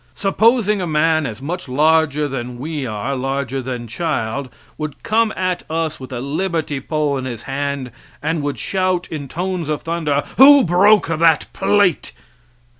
Supposing a man as much larger than we are, larger than child would come at us with a liberty pole in his hand and would shout in tones of thunder, "Who broke that plate?"